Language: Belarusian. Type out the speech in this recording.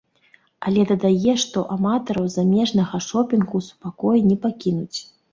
Але дадае, што аматараў замежнага шопінгу ў спакоі не пакінуць.